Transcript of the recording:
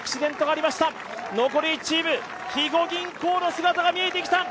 あと１チーム、肥後銀行の姿が見えてきた。